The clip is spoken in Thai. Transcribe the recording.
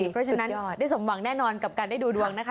เพราะฉะนั้นได้สมหวังแน่นอนกับการได้ดูดวงนะคะ